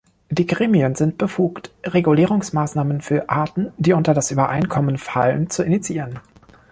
Die Gremien sind befugt, Regulierungsmaßnahmen für Arten, die unter das Übereinkommen fallen, zu initiieren.